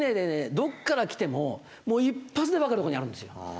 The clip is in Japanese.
どっから来てももう一発でわかるとこにあるんですよ。